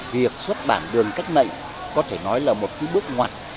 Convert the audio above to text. việc xuất bản đường cách mệnh có thể nói là một bước ngoặt